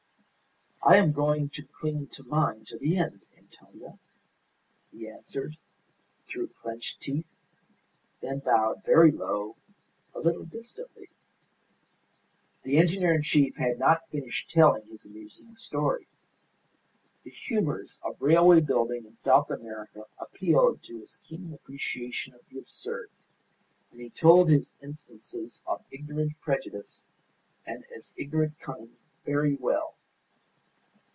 "I am going to cling to mine to the end, Antonia," he answered, through clenched teeth, then bowed very low, a little distantly. The engineer in chief had not finished telling his amusing story. The humours of railway building in South America appealed to his keen appreciation of the absurd, and he told his instances of ignorant prejudice and as ignorant cunning very well.